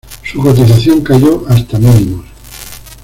Su cotización cayó hasta mínimos.